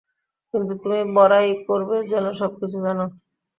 কিন্তু তুমি বড়াই করবে যেন সবকিছু জানো।